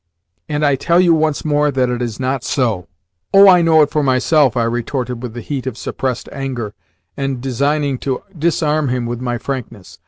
"And I tell you once more that it is not so." "Oh, I know it for myself," I retorted with the heat of suppressed anger, and designing to disarm him with my frankness.